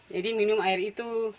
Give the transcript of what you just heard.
jadi minum air itu